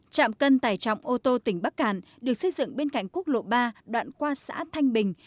chạm cân tải trọng ô tô tỉnh bắc cản được xây dựng bên cạnh quốc lộ ba đoạn qua xã thanh bình